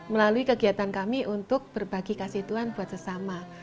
melalui kegiatan kami untuk berbagi kasih tuhan buat sesama